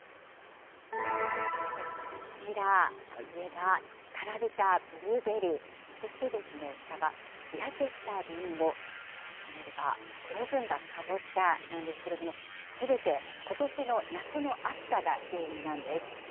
続いてこちら、上がひからびたブルーベリー、そしてですね、下が日焼けしたリンゴ、隣が黒ずんだカボチャなんですけれども、すべてことしの夏の暑さが原因なんです。